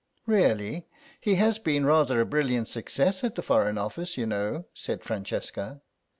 "Really? He has been rather a brilliant success at the Foreign Office, you know," said Francesca.